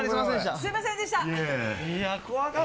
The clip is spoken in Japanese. すいませんでした。